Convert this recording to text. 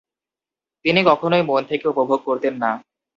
তিনি কখনই মন থেকে উপভোগ করতেন না।